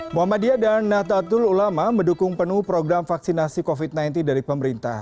muhammadiyah dan natatul ulama mendukung penuh program vaksinasi covid sembilan belas dari pemerintah